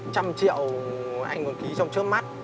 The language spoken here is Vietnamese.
trăm triệu anh còn ký trong trước mắt